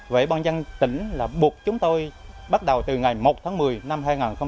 và vị ban dân tỉnh là buộc chúng tôi bắt đầu từ ngày một tháng một mươi năm hai nghìn một mươi chín